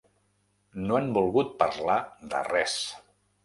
No han volgut parlar de res.